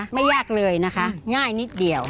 ไม่ยากเลยนะคะง่ายนิดเดียว